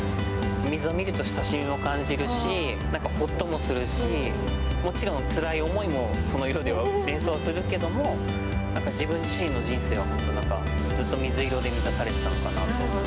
水を見ると親しみを感じるしホッともするしもちろんつらい思いもその色では連想するけれども自分自身の人生はずっと水色で満たされていたのかなと。